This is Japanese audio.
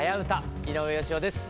井上芳雄です。